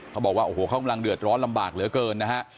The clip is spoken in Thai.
เขาบอกว่าโอ้โหเขากำลังเดือดร้อนลำบากเหลือเกินนะฮะ